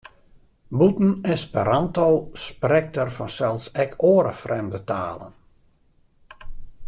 Bûten Esperanto sprekt er fansels ek oare frjemde talen.